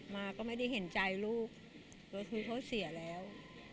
มาก็ไม่ได้เห็นใจลูกโดยคือเขาเสียแล้ว